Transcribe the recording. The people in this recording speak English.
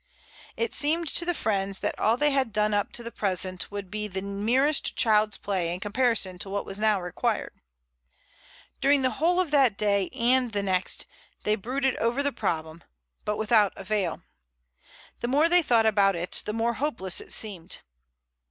It seemed to the friends that all they had done up to the present would be the merest child's play in comparison to what was now required. During the whole of that day and the next they brooded over the problem, but without avail. The more they thought about it the more hopeless it seemed.